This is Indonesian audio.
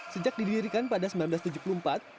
sejak didirikan pada seribu sembilan ratus tujuh puluh empat